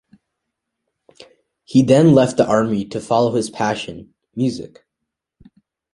He then left the army to follow his passion, music.